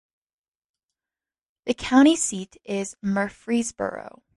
The county seat is Murfreesboro.